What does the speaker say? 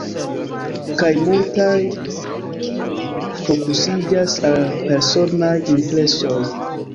Kaj multaj fokusiĝas al personaj impresoj.